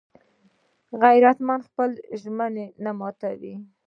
غیرتمند خپله ژمنه نه ماتوي